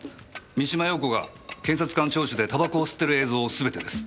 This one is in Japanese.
三島陽子が検察官聴取でタバコを吸っている映像すべてです。